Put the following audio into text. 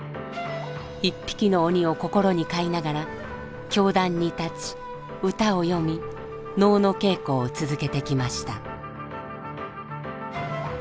１匹の鬼を心に飼いながら教壇に立ち歌を詠み能の稽古を続けてきました。